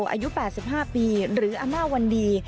อายุ๘๕ปีหรืออาม่าวันดี